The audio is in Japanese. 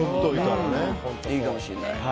いいかもしれない。